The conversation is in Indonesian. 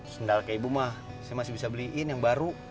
sendal kayak ibu mah saya masih bisa beliin yang baru